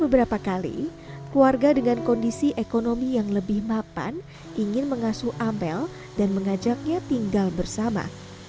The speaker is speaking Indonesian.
beberapa kali keluarga dengan kondisi ekonomi yang lebih mapan ingin mengasuh amel dan mengajaknya tinggal bersama